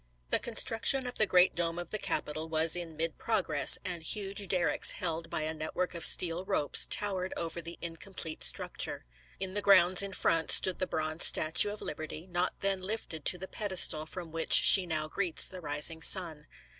The construction of the great dome of the Capitol was in mid progress, 326 ABKAHAM LINCOLN chap. xxi. and huge derricks held by a network of steel ropes towered over the incomplete structure. In the grounds in front stood the bronze statue of Lib erty, not then lifted to the pedestal from which she now greets the rising sun.